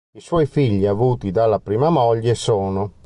I suoi figli avuti dalla prima moglie sono